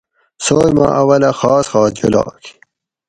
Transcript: سوئے ما اولہ خاص خاص جولاگ